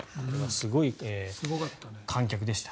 すごい観客でした。